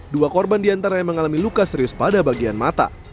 dua korban diantaranya mengalami luka serius pada bagian mata